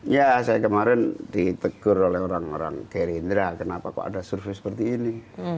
ya saya kemarin ditegur oleh orang orang gerindra kenapa kok ada survei seperti ini